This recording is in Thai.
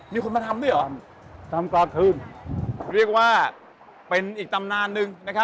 มีคนมาทำด้วยเหรอตำกอทมเรียกว่าเป็นอีกตำนานหนึ่งนะครับ